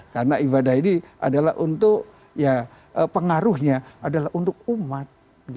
karena ibadah ini adalah untuk ya pengaruhnya adalah untuk umat